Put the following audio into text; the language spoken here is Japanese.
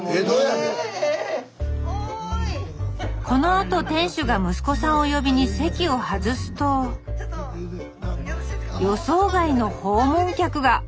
このあと店主が息子さんを呼びに席を外すと予想外の訪問客が！